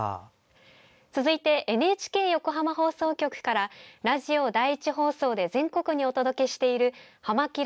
続いて、ＮＨＫ横浜放送局からラジオ第１放送で全国にお届けしている「はま☆キラ！」